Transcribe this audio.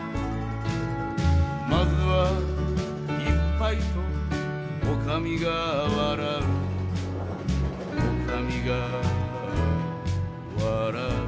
「まずは一杯と女将が笑う」「女将が笑う」